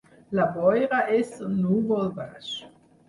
La boira és un núvol baix.